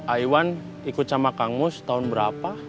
aiwan ikut sama kang mus tahun berapa